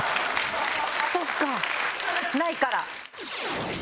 そっかないから。